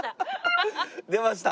出ました！